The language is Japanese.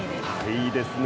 いいですね。